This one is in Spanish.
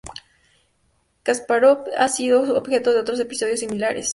Kaspárov ha sido objeto de otros episodios similares.